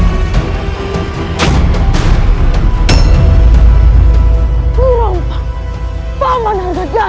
swadhu kebetulan ya allah